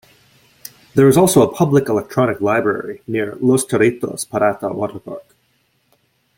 There is also a public electronic library near Los Chorritos Pirata water park.